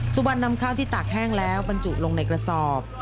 สุวรรณนำข้าวที่ตากแห้งแล้วบรรจุลงในกระสอบ